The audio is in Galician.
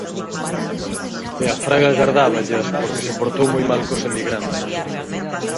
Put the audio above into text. E a Fraga gardáballas porque se portou moi mal cos emigrantes.